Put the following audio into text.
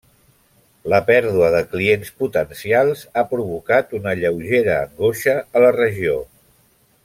La pèrdua de clients potencials ha provocat una lleugera angoixa a la regió.